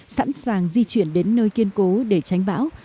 sẵn sàng di chuyển đến nơi kiên cố để tránh bão